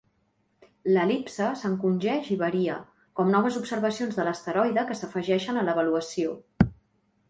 L'el·lipse s'encongeix i varia, com noves observacions de l'asteroide que s'afegeixen a l'avaluació.